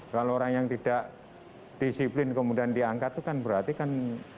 kalau orang yang tidak disiplin kemudian diangkat itu kan berarti kan